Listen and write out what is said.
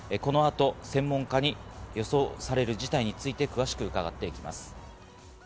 この後、専門家に予測される事態について詳しく伺います。